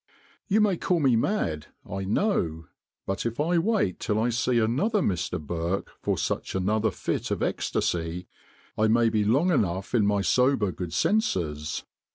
"You may call me mad, I know; but if I wait till I see another Mr. Burke for such another fit of ecstacy, I may be long enough in my sober good senses."